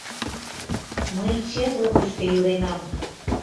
— Мый четлыкыште иленам...